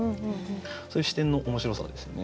そういう視点の面白さですよね。